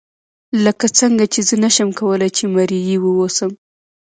لکه څنګه چې زه نشم کولای چې مریی واوسم.